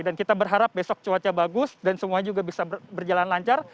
dan kita berharap besok cuaca bagus dan semuanya juga bisa berjalan lancar